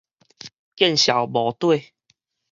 見笑無底